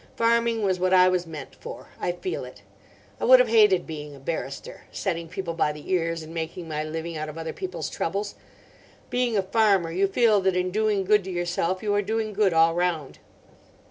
Farming was what I was meant for; I feel it. I would have hated being a barrister, setting people by the ears and making my living out of other people's troubles. Being a farmer you feel that in doing good to yourself you are doing good all round.